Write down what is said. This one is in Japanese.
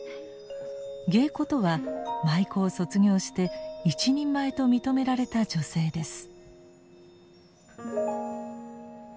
芸妓とは舞妓を卒業して一人前と認められた女性です。